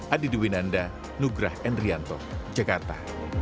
adi dewi nanda nugrah enrianto jakarta